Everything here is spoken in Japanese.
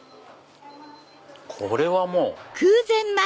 これはもう。